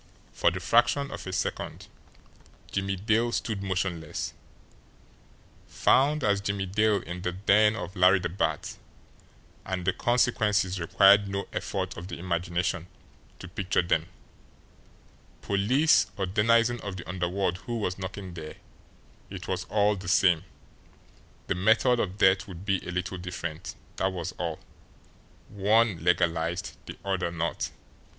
For the fraction of a second Jimmie Dale stood motionless. Found as Jimmie Dale in the den of Larry the Bat, and the consequences required no effort of the imagination to picture them; police or denizen of the underworld who was knocking there, it was all the same, the method of death would be a little different, that was all one legalised, the other not.